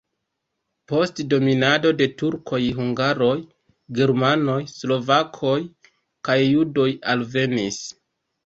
Post dominado de turkoj hungaroj, germanoj, slovakoj kaj judoj alvenis.